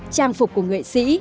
trang phục của nghệ sĩ